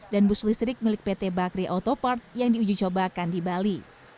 dan bus listrik milik pt bakri autopart yang diujicobakan di bali